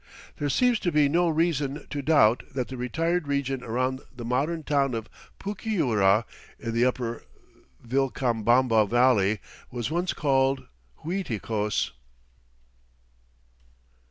There seems to be no reason to doubt that the retired region around the modern town of Pucyura in the upper Vilcabamba Valley was once called Uiticos.